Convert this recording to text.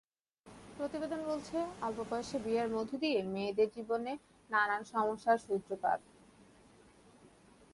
প্রতিবেদন বলছে, অল্প বয়সে বিয়ের মধ্য দিয়েই মেয়েদের জীবনের নানান সমস্যার সূত্রপাত।